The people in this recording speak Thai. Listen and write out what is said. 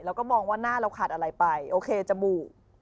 แล้วก็มองว่าหน้าเราขาดอะไรไปโอเคจมูก